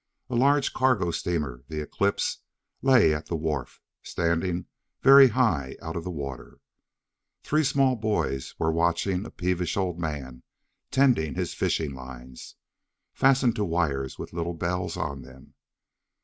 A large cargo steamer, the Eclipse, lay at the wharf, standing very high out of the water. Three small boys were watching a peevish old man tending his fishing lines, fastened to wires with little bells on them.